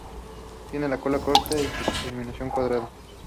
Tiene la cola corta y de terminación cuadrada.